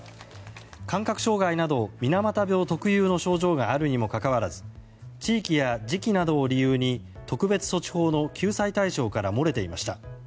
感覚障害など水俣病特有の症状があるにもかかわらず地域や時期などを理由に特別措置法の救済対象から漏れていました。